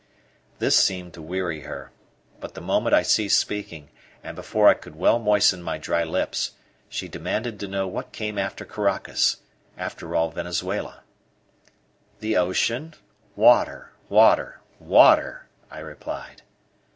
This seemed to weary her; but the moment I ceased speaking, and before I could well moisten my dry lips, she demanded to know what came after Caracas after all Venezuela. "The ocean water, water, water," I replied.